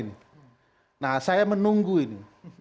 nah saya menunggu ini